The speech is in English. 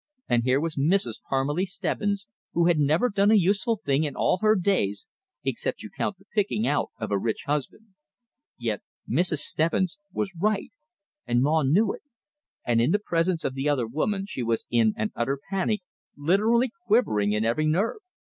And here was Mrs. Parmelee Stebbins, who had never done a useful thing in all her days except you count the picking out of a rich husband; yet Mrs. Stebbins was "right," and Maw knew it, and in the presence of the other woman she was in an utter panic, literally quivering in every nerve.